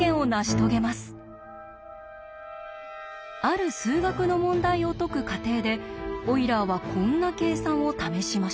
ある数学の問題を解く過程でオイラーはこんな計算を試しました。